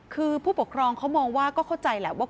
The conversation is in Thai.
คือผู้ปกครองเขามองว่าก็เข้าใจแหละว่า